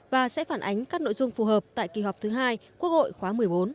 và sẽ phản ánh các nội dung phù hợp tại kỳ họp thứ hai quốc hội khóa một mươi bốn